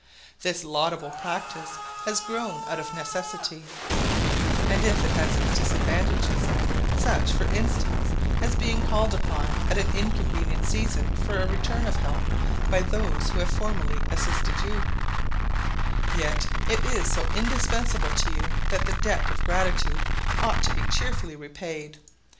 This laudable practice has grown out of necessity, and if it has its disadvantages, such for instance as being called upon at an inconvenient season for a return of help, by those who have formerly assisted you, yet it is so indispensable to you that the debt of gratitude ought to be cheerfully repaid.